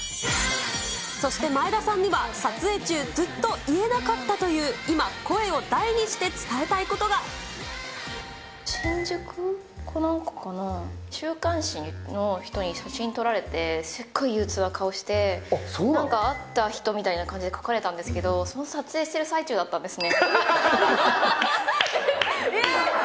そして前田さんには、撮影中、ずっと言えなかったという、今、新宿かなんかかな、週刊誌の人に写真撮られて、すっごい憂うつな顔して、なんかあった人みたいな感じで書かれたんですけれども、この撮影している最中だったんですね。